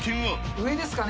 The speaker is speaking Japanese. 上ですかね？